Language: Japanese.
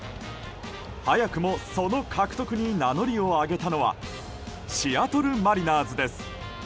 早くもその獲得に名乗りを上げたのはシアトル・マリナーズです。